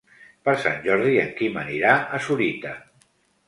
Per Sant Jordi en Quim anirà a Sorita.